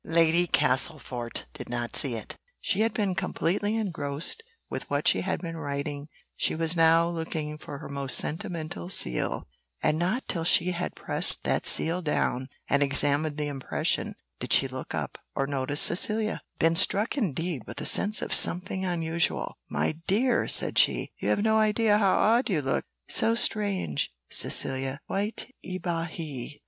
Lady Castlefort did not see it she had been completely engrossed with what she had been writing, she was now looking for her most sentimental seal, and not till she had pressed that seal down and examined the impression, did she look up or notice Cecilia Then struck indeed with a sense of something unusual "My dear," said she, "you have no idea how odd you look so strange, Cecilia quite _èbahie!